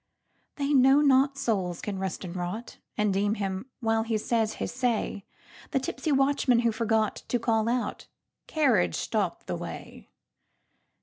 They know not souls can rust and rot, And deem him, while he says his say, The tipsy watchman who forgotTo call out, "Carriage stops the way!"